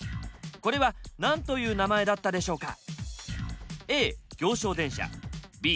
これは何という名前だったでしょうか？